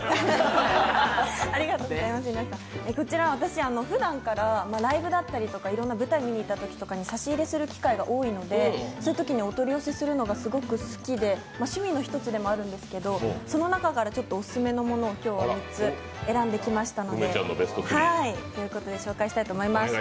こちら、私、ふだんからライブだったりいろんな舞台を見に行ったりするとき差し入れする機会が多いので、そういうときにお取り寄せするのがすごく好きで、趣味の一つでもあるんですけどその中からオススメのものを今日は３つ選んできましたので、ということで紹介したいと思います